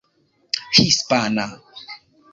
hispana